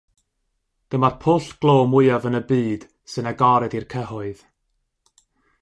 Dyma'r pwll glo mwyaf yn y byd sy'n agored i'r cyhoedd.